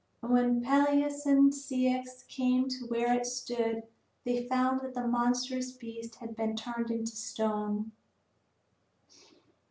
And when Peleus and Ceyx came to where it stood they found that the monstrous beast had been turned into stone.